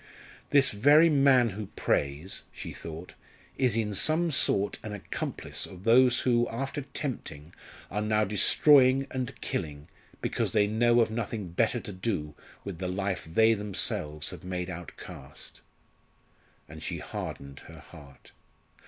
"This very man who prays," she thought, "is in some sort an accomplice of those who, after tempting, are now destroying, and killing, because they know of nothing better to do with the life they themselves have made outcast." And she hardened her heart.